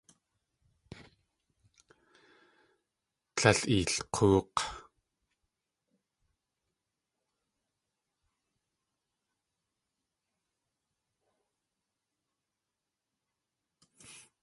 Líl eelk̲óok̲!